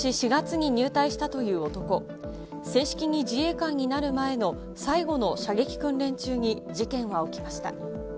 正式に自衛官になる前の最後の射撃訓練中に事件は起きました。